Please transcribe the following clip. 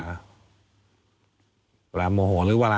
เพราะว่ายูนกับผมก็ไม่เคยใช้เสียงแบบนี้